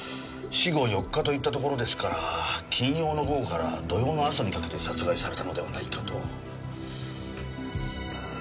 死後４日といったところですから金曜の午後から土曜の朝にかけて殺害されたのではないかと。